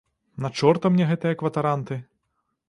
На чорта мне гэтыя кватаранты?